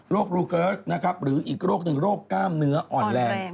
ลูเกิร์กนะครับหรืออีกโรคหนึ่งโรคกล้ามเนื้ออ่อนแรง